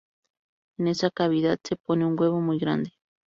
En esa cavidad se pone un huevo muy grande.